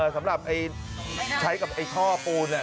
อ๋อสำหรับไอ้ใช้กับไอ้ท่อปูนอ่ะ